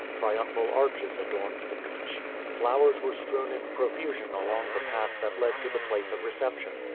Triumphal arches adorned the beach. Flowers were strewn in profusion along the path that led to the place 303 UNDER THE PANDANUS TREE of reception.